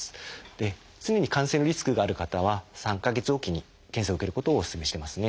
で常に感染のリスクがある方は３か月置きに検査を受けることをお勧めしてますね。